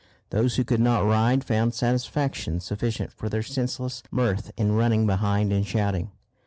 Those who could not ride found satisfaction sufficient for their senseless mirth in running behind and shouting.